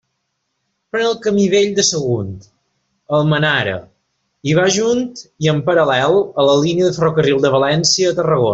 Pren el camí Vell de Sagunt-Almenara, i va junt i en paral·lel a la línia de ferrocarril de València a Tarragona.